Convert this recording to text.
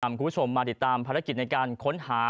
คุณผู้ชมมาติดตามภารกิจในการค้นหา